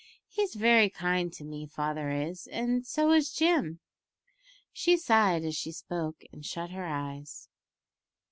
He's very kind to me, father is, and so is Jim." She sighed as she spoke, and shut her eyes.